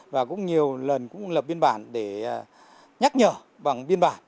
và cũng nhiều lần cũng lập biên bản để nhắc nhở bằng biên bản